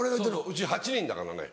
うち８人だからね。